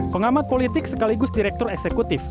pengamat politik sekaligus direktur eksekutif